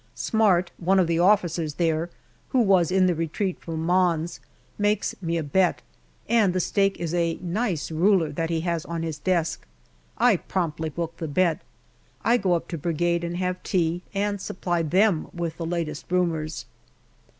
Smart, one of the officers there, who was in the retreat from Mons, makes me a bet, and the stake is a nice ruler that he has on his desk. I promptly book the bet. I go up to Brigade and have tea, and supply them with the latest rumours.